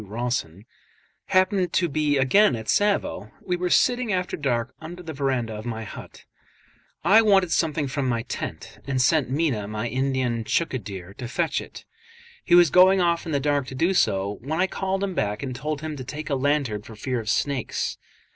Rawson) happened to be again at Tsavo, we were sitting after dark under the verandah of my hut. I wanted something from my tent, and sent Meeanh, my Indian chaukidar, to fetch it. He was going off in the dark to do so, when I called him back and told him to take a lantern for fear of snakes.